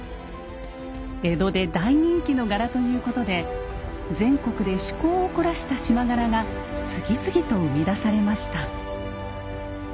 江戸で大人気の柄ということで全国で趣向を凝らした縞柄が次々と生み出されました。